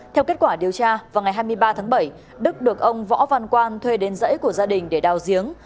theo kết quả điều tra vào ngày hai mươi ba tháng bảy đức được ông võ văn quan thuê đến dãy của gia đình để đào giếng